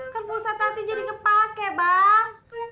kan pusat hati jadi ngepake bang